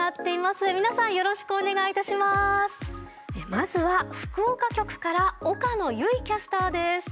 まずは福岡局から岡野唯キャスターです。